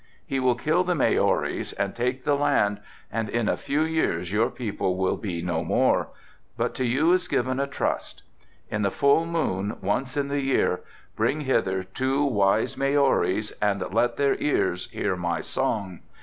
He will kill the Maoris and take the land and in a few years your people will be no more, but to you is given a trust. In the full moon, once in the year, bring hither two wise Maoris and let their ears hear my song.